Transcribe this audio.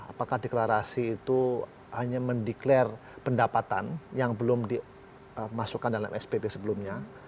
apakah deklarasi itu hanya mendeklarasi pendapatan yang belum dimasukkan dalam spt sebelumnya